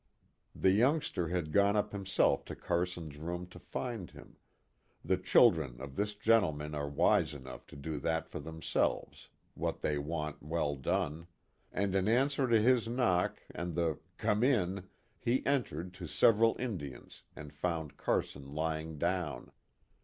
The youngster had 46 KIT CARSON. gone up himself to Carson's room to find him the children of this generation are wise enough to do for themselves what they want well done and in answer to his knock and the " Come in " he entered to several Indians and found Carson lying down.